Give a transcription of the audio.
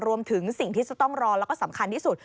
รวมถึงสิ่งที่จะต้องรอแล้วก็สำคัญที่สุด